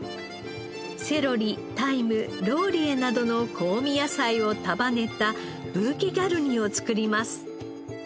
セロリタイムローリエなどの香味野菜を束ねたブーケガルニを作ります。